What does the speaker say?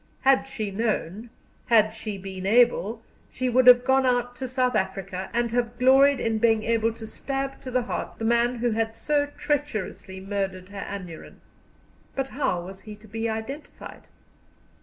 Had she known, had she been able, she would have gone out to South Africa, and have gloried in being able to stab to the heart the man who had so treacherously murdered her Aneurin. But how was he to be identified?